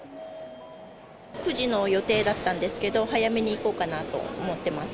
９時の予定だったんですけど、早めに行こうかなと思ってます。